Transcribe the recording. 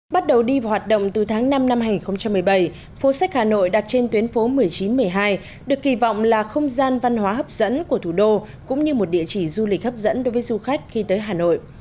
bắt đầu đi vào hoạt động từ tháng năm năm hai nghìn một mươi bảy phố sách hà nội đặt trên tuyến phố một mươi chín một mươi hai được kỳ vọng là không gian văn hóa hấp dẫn của thủ đô cũng như một địa chỉ du lịch hấp dẫn đối với du khách khi tới hà nội